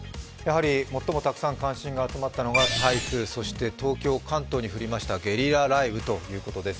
最もたくさん関心が集まったのが台風、そして東京、関東に降ったゲリラ雷雨ということです。